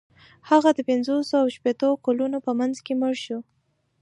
هغه د پنځوسو او شپیتو کلونو په منځ کې مړ شو.